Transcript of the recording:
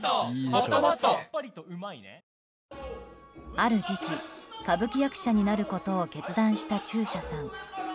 ある時期、歌舞伎役者になることを決断した中車さん。